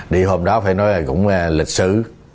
đi hôm đó phải nói là cũng lịch sử